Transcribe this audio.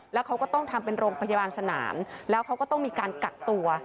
แล้วเขาก็ต้องทำเป็นโรงพยาบาลสนามแล้วเขาก็ต้องมีการกักตัว